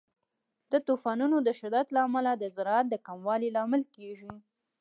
د طوفانونو د شدت له امله د زراعت د کموالي لامل کیږي.